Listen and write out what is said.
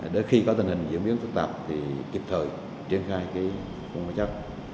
để khi có tình hình diễn biến phức tạp thì kịp thời triển khai phòng chống xuất huyết